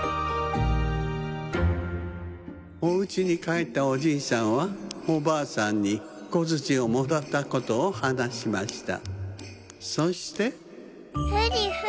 おうちにかえったおじいさんはおばあさんにこづちをもらったことをはなしました。